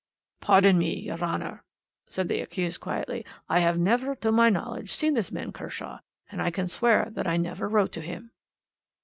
"'Pardon me, your Honour,' said the accused quietly, 'I have never, to my knowledge, seen this man Kershaw, and I can swear that I never wrote to him.'